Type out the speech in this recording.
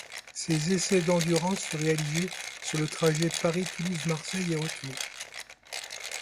Ces essais d’endurance furent réalisés sur le trajet Paris-Toulouse-Marseille et retour.